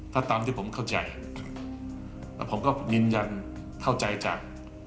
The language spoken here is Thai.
ถ้าตามที่ผมเข้าใจแล้วผมก็ยืนยันเข้าใจจาก